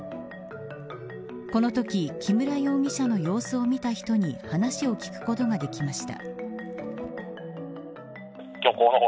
このとき、木村容疑者の様子を見た人に話を聞くことができました。